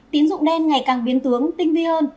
tín dụng đen ngày càng biến tướng tinh vi hơn